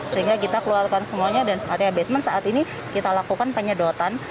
sehingga kita keluarkan semuanya dan artinya basement saat ini kita lakukan penyedotan